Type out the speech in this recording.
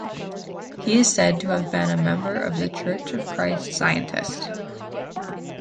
He is said to have been a member of the Church of Christ, Scientist.